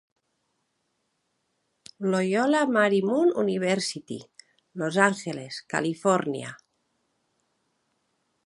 Loyola Marymount University, Los Angeles, Califòrnia.